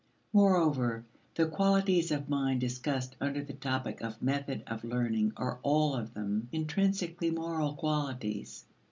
Moreover, the qualities of mind discussed under the topic of method of learning are all of them intrinsically moral qualities.